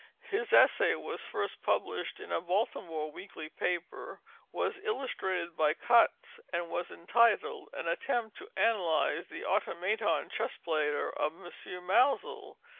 His Essay was first published in a Baltimore weekly paper, was illustrated by cuts, and was entitled "An attempt to analyze the Automaton Chess Player of M. Maelzel."